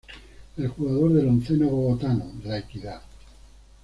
El jugador del onceno bogotano La Equidad.